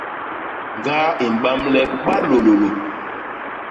Ñgaa i mbam le balôlôlô.